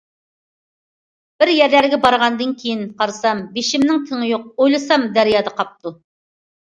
بىر يەرلەرگە بارغاندىن كېيىن قارىسام، بېشىمنىڭ تېڭى يوق، ئويلىسام دەريادا قاپتۇ.